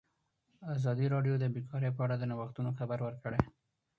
ازادي راډیو د بیکاري په اړه د نوښتونو خبر ورکړی.